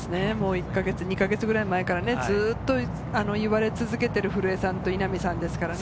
１か月、２か月ぐらい前からずっと言われ続けている古江さんと稲見さんですからね。